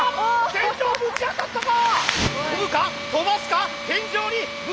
天井ぶち当たったぞ！